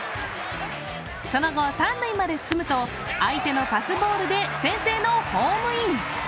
その後、三塁まで進むと相手のパスボールで先制のホームイン。